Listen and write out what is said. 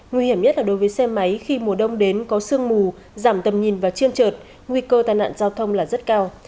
nguy hiểm nhất là đối với xe máy khi mùa đông đến có sương mù giảm tầm nhìn và chiên trượt nguy cơ tai nạn giao thông là rất cao